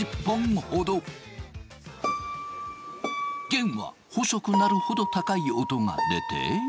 弦は細くなるほど高い音が出て。